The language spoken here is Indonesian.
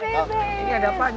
ini ada apa nih